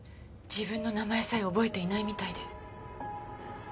自分の名前さえ覚えていないみたいで。